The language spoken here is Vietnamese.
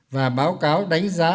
và báo cáo đánh giá